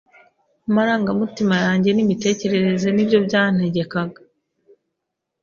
amarangamutima yanjye n’imitekerereze ni byo byantegekaga.